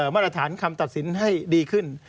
มาตรฐานคำตัดสินให้ดีขึ้น